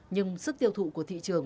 nhưng sức tiêu thụ của thị trường